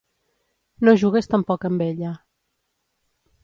No jugues tampoc amb ella.